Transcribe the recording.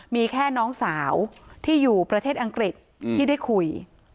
มีแค่น้องสาวที่อยู่ประเทศอังกฤษที่ได้คุย